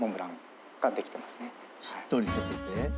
「しっとりさせて？」